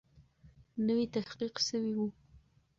نوی تحقیق سوی وو.